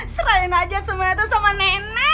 serahin aja semuanya tuh sama nenek